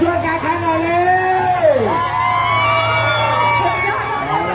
ขอบคุณมากนะคะแล้วก็แถวนี้ยังมีชาติของ